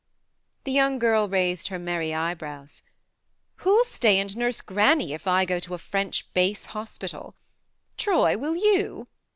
The young girl raised her merry eyebrows. " Who'll stay and nurse Granny if I go to a French base hospital ? Troy, will you